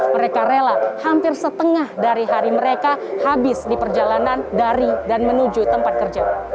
mereka rela hampir setengah dari hari mereka habis di perjalanan dari dan menuju tempat kerja